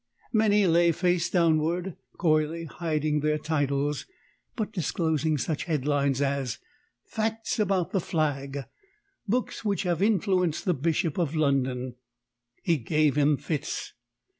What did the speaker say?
Many lay face downward, coyly hiding their titles but disclosing such headlines as "Facts about the Flag," "Books which have influenced the Bishop of London," "He gave 'em Fits!"